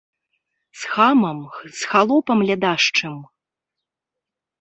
З хамам, з халопам лядашчым?!